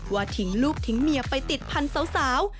ทิ้งลูกทิ้งเมียไปติดพันธุ์สาว